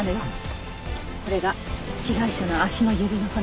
これが被害者の足の指の骨。